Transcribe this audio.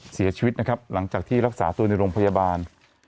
เสียชีวิตนะครับหลังจากที่รักษาตัวในโรงพยาบาล